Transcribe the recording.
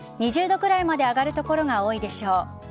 ２０度くらいまで上がる所が多いでしょう。